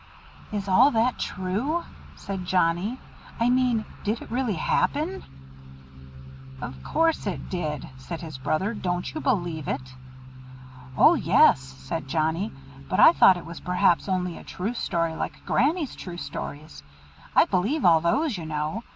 "Is all that true?" said Johnnie. "I mean, did it really happen?" "Of course it did," said his brother; "don't you believe it?" "Oh yes," said Johnnie. "But I thought it was perhaps only a true story, like Granny's true stories. I believe all those, you know.